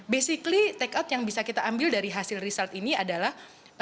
basically take out yang bisa kita ambil dari hasil result ini adalah